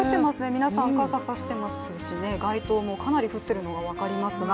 皆さん、傘差してますしね、街灯もかなり降っているのが分かりますが。